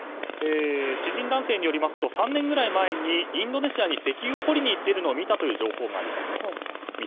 知人男性によりますと３年ぐらい前にインドネシアに石油を掘りに行ったのを見たという情報があります。